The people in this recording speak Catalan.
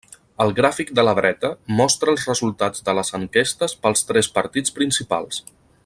El gràfic de la dreta mostra els resultats de les enquestes pels tres partits principals.